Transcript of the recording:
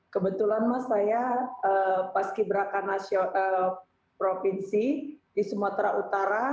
kebetulan mas saya paski berakan provinsi di sumatera utara